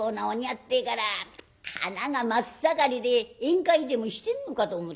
ってえから花が真っ盛りで宴会でもしてんのかと思ったよ。